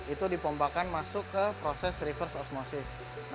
itu dipompakan masuk ke proses reverse osmosis